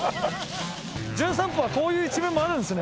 『じゅん散歩』はこういう一面もあるんですね？